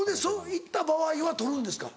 行った場合は取るんですか？